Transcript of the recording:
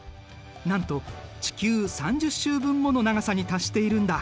なんと地球３０周分もの長さに達しているんだ。